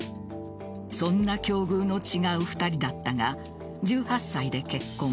そんな境遇の違う２人だったが１８歳で結婚。